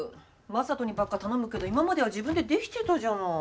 正門にばっか頼むけど今までは自分でできてたじゃない。